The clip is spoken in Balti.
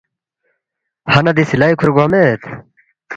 ہنہ دِی سِلائی کُھورے گوا مید